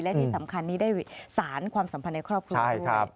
และที่สำคัญนี้ได้สารความสัมพันธ์ในครอบครัวด้วย